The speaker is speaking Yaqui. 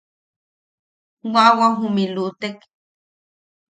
Baʼabwao jumilutek.